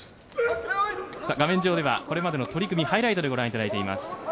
画面上ではこれまでの取組ハイライトでご覧いただいています。